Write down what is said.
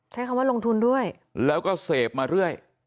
ใช้คำว่าลงทุนด้วยแล้วก็เสพมาเรื่อย